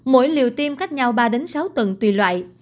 mỗi liều tiêm cách nhau ba đến sáu tuần tùy loại